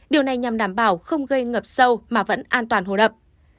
điều này nhằm đảm bảo không gây ngập sâu mà vẫn an toàn hồ đập